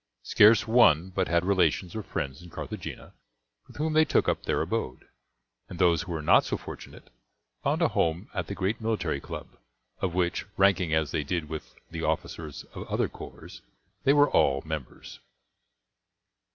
Scarce one but had relations or friends in Carthagena with whom they took up their abode, and those who were not so fortunate found a home at the great military club, of which, ranking as they did with the officers of other corps, they were all members.